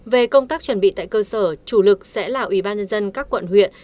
về công tác chuẩn bị tại cơ sở chủ lực sẽ là ủy ban nhân dân các quận huyện